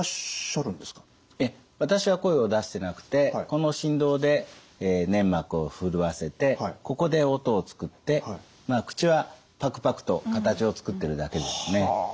いえ私は声を出してなくてこの振動で粘膜を震わせてここで音を作って口はパクパクと形を作ってるだけですね。